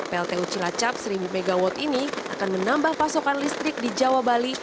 pltu cilacap seribu mw ini akan menambah pasokan listrik di jawa bali